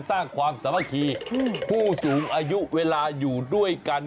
สร้างความสามัคคีผู้สูงอายุเวลาอยู่ด้วยกัน